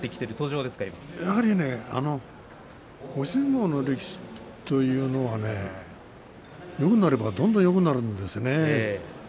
やはりね押し相撲の力士というのはねよくなればどんどんよくなるんですよね。